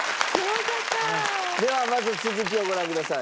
ではまず続きをご覧ください。